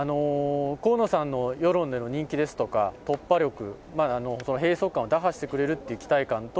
河野さんの世論での人気ですとか、突破力、閉塞感を打破してくれるっていう期待感と、